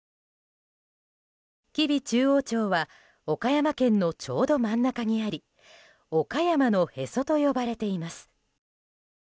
吉備中央町は岡山県のちょうど真ん中にあり岡山のへそと呼ばれています。